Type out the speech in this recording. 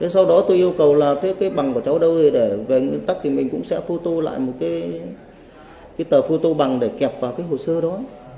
sau đó tôi yêu cầu là cái bằng của cháu đâu để về nguyên tắc thì mình cũng sẽ phô tô lại một cái tờ phô tô bằng để kẹp vào cái hồ sơ đó